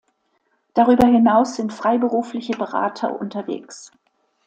Darüber hinaus sind freiberufliche Berater unterwegs.